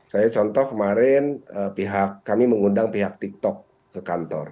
saya contoh kemarin kami mengundang pihak tikus